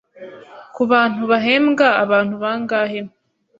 Ku bantu bahembwa abantu bangahe?